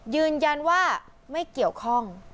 ยืนยันว่าไม่เกี่ยวข้อง